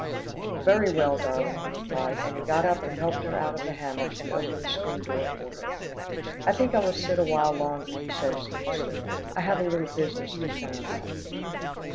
"Very well, darling," he replied, and he got up and helped her out of the hammock, and opened the screen door for her. "I think I will sit a while longer," he said as he kissed her. "I have a little business to plan out."